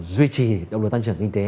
duy trì độc lực tăng trưởng kinh tế